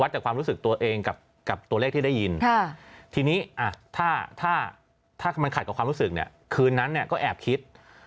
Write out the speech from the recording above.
ถ้ามันขัดกับความรู้สึกเนี่ยคืนนั้นก็แอบคิด